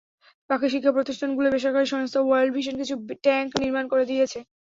বাকি শিক্ষাপ্রতিষ্ঠানগুলোয় বেসরকারি সংস্থা ওয়ার্ল্ড ভিশন কিছু ট্যাংক নির্মাণ করে দিয়েছে।